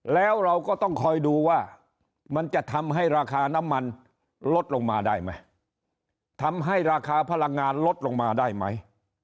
แล้วเราก็ต้องคอยดูว่ามันจะทำให้ราคาน้ำมันลดลงมาได้ไหมทำให้ราคาพลังงานลดลงมาได้ไหม